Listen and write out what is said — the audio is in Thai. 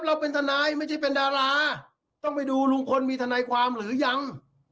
เราเป็นทนายไม่ใช่เป็นดาราต้องไปดูลุงพลมีทนายความหรือยัง